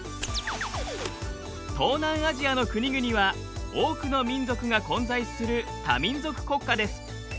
東南アジアの国々は多くの民族が混在する多民族国家です。